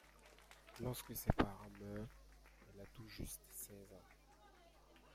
Lorsque ses parents meurent, elle a tout juste seize ans.